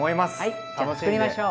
じゃ作りましょう！